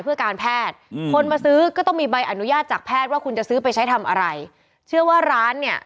เพื่อการแพทย์อืมคนมาซื้อก็ต้องมีใบอนุญาตจากแพทย์ว่าคุณจะซื้อไปใช้ทำอะไรเชื่อว่าร้านเนี่ย